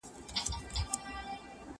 زه اوس بوټونه پاکوم،